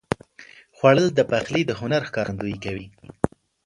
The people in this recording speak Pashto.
خوړل د پخلي د هنر ښکارندویي کوي